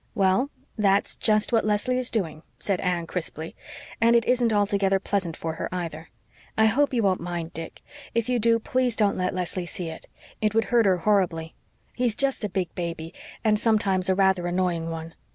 "Well, that's just what Leslie is doing," said Anne crisply. "And it isn't altogether pleasant for her, either. I hope you won't mind Dick. If you do, please don't let Leslie see it. It would hurt her horribly. He's just a big baby, and sometimes a rather annoying one."